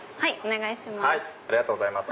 お願いします。